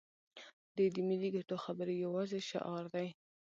دوی د ملي ګټو خبرې یوازې شعار دي.